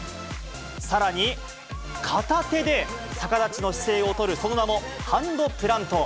さらに、片手で逆立ちの姿勢を取る、その名もハンドプラント。